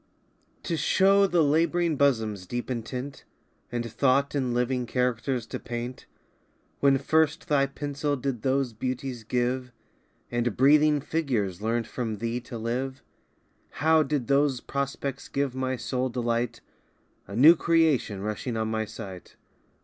TO show the lab'ring bosom's deep intent, And thought in living characters to paint, When first thy pencil did those beauties give, And breathing figures learnt from thee to live, How did those prospects give my soul delight, A new creation rushing on my sight?